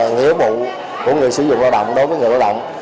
nghĩa bụng của người sử dụng lao động đối với người lao động